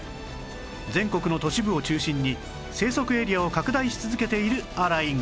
全国の都市部を中心に生息エリアを拡大し続けているアライグマ